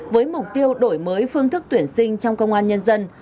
với mục tiêu đổi mới phương thức tuyển sinh trong công an nhân dân